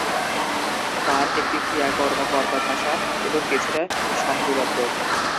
কার একটি ক্রিয়া-কর্ম-কর্তা ভাষা এবং কিছুটা সংযোগাত্নক।